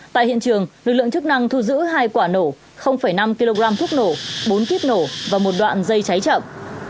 tại hiện trường lực lượng chức năng thu giữ hai quả nổ năm kg thuốc nổ bốn kíp nổ và một đoạn dây cháy chậm